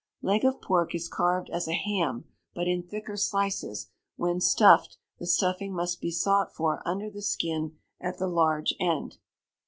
Leg of pork is carved as a ham, but in thicker slices; when stuffed, the stuffing must be sought for under the skin at the large end.